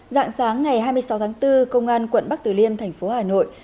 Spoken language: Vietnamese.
dạng sáng ngày hai mươi sáu tháng bốn công an quận bắc tử liêm thành phố hà nội